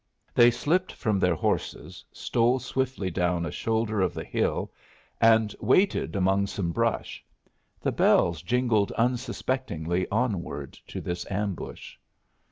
They slipped from their horses, stole swiftly down a shoulder of the hill, and waited among some brush. The bells jingled unsuspectingly onward to this ambush.